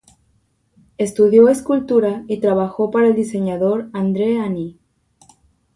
Estudió escultura y trabajó para el diseñador Andre-Ani.